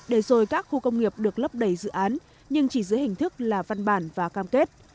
để rồi các khu công nghiệp được lấp đầy dự án nhưng chỉ dưới hình thức là văn bản và cam kết